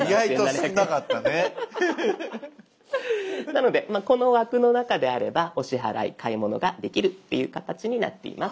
なのでこの枠の中であればお支払い買い物ができるっていう形になっています。